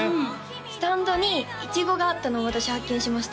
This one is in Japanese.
スタンドにイチゴがあったのを私発見しました